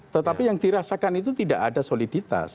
tetapi yang dirasakan itu tidak ada soliditas